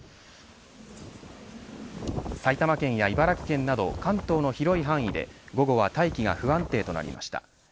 埼玉県や茨城県など関東の広い範囲で午後は大気が不安定となりました。